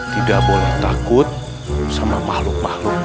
tidak boleh takut sama makhluk makhluk